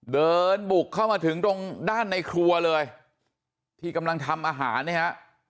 เดินบุกเข้ามาถึงตรงด้านในครัวเลยที่กำลังทำอาหารเนี่ยฮะ